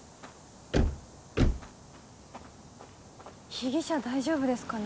被疑者大丈夫ですかね